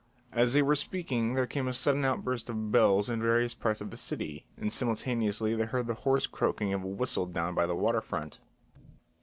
As they were speaking there came a sudden outburst of bells in various parts of the city and simultaneously they heard the hoarse croaking of a whistle down by the waterfront.